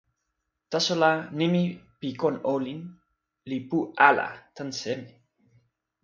taso la, nimi pi kon olin li pu ala tan seme?